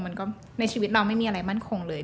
ในชีวิตเราไม่มีอะไรมั่นคงเลย